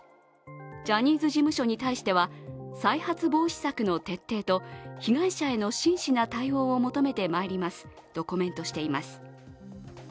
ジャニーズ事務所に対しては、再発防止策の徹底と被害者への真摯な対応を求めてまいりますとコメントしています。